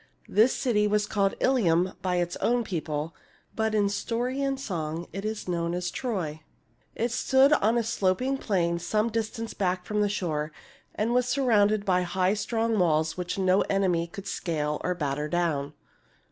This city was called Ilium by its own people, but in story and song it is known as Troy. It stood on a sloping plain some distance back from the shore, and was surrounded by high, strong walls which no enemy could scale or batter down.